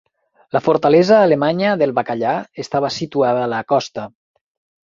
La fortalesa alemanya del bacallà estava situada a la costa.